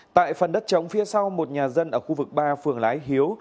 tại phần đất chống phía sau một nhà dân ở khu vực ba phường lái hiếu